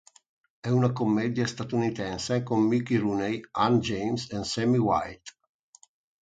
È una commedia statunitense con Mickey Rooney, Anne James e Sammy White.